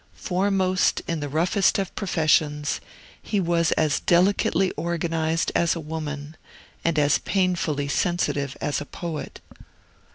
Foremost in the roughest of professions, he was as delicately organized as a woman, and as painfully sensitive as a poet.